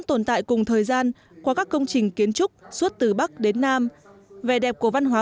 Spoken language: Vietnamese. tồn tại cùng thời gian qua các công trình kiến trúc suốt từ bắc đến nam vẻ đẹp của văn hóa